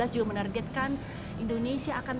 juga menargetkan indonesia akan